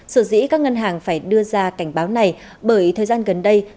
sở dĩ các ngân hàng phải đưa ra cảnh báo này bởi thời gian gần đây